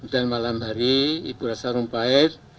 dan malam hari ibu rasa rumpahit